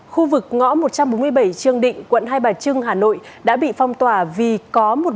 khu vực ngõ một trăm bốn mươi bảy trương định quận hai bà trưng hà nội đã bị phong tỏa vì có